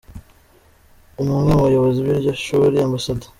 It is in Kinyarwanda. Umwe mu bayobozi b’iryo shuri Amb.